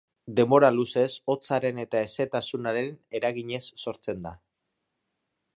Denbora luzez hotzaren eta hezetasunaren eraginez sortzen da.